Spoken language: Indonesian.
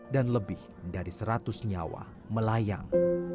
dan lebih dari seratus nyawa melayang